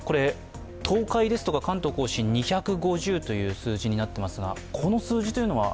東海とか関東甲信、２５０という数字になっていますが、この数字というのは？